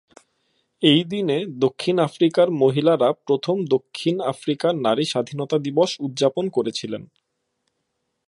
এই দিনে, দক্ষিণ আফ্রিকার মহিলারা প্রথম দক্ষিণ আফ্রিকার নারী স্বাধীনতা দিবস উদযাপন করেছিলেন।